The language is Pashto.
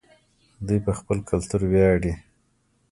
دوی په خپل کلتور ویاړي.